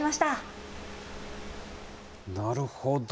なるほど。